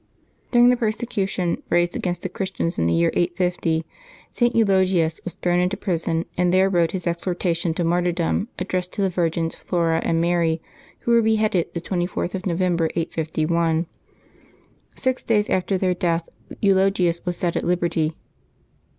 During the persecution raised against the Christians in the year 850, St. Eulogius was thrown into prison and there wrote his Exhortation to Martyrdom, addressed to the virgins Flora and Mary, who were beheaded the 24th of November, 851. Six days after their death Eulogius was set at liberty.